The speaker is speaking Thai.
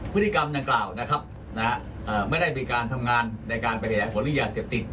พฤติกรรมดังกล่าวนะครับไม่ได้มีการทำงานในการบริหารผลหรือยาเสพติด